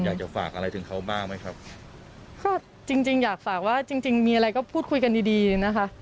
อยากจะฝากอะไรถึงเขาบ้างไหมครับก็จริงจริงอยากฝากว่าจริงจริงมีอะไรก็พูดคุยกันดีดีนะคะ